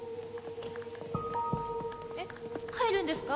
えっ帰るんですか？